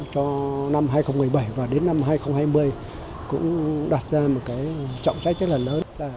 cho năm hai nghìn một mươi bảy và đến năm hai nghìn hai mươi cũng đặt ra một trọng trách rất là lớn